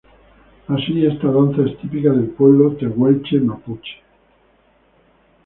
Así esta danza es típica del pueblo tehuelche-mapuche.